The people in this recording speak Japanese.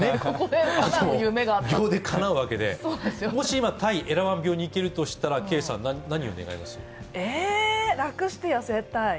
秒でかなうわけで、もし今、タイのエラワン廟に行けるとしたら楽して痩せたい。